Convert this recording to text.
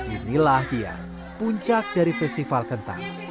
inilah dia puncak dari festival kentang